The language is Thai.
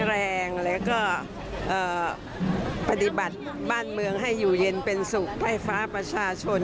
ของบริเวณรอบวัดบวัดบางชัยให้อยู่เย็นเป็นศุกร์ให้ฟ้าประชาชน